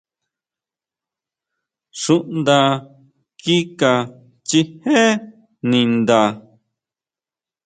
Xuʼnda kika chijé ninda.